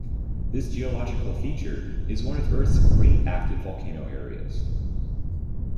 This geologic feature is one of earth's great active volcanic areas.